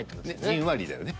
じんわりだよね。